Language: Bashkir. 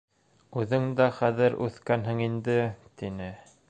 Үҙең дә хәҙер үҫкәнһең инде, — тине.